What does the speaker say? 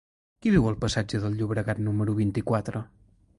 Qui viu al passatge del Llobregat número vint-i-quatre?